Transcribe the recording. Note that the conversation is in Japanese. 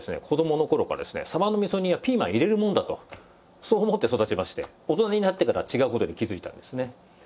子供の頃からですね鯖の味噌煮はピーマン入れるもんだとそう思って育ちまして大人になってから違う事に気付いたんですね。